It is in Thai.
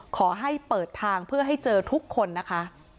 ขอให้เปิดทางเพื่อให้เจอทุกคนนะคะ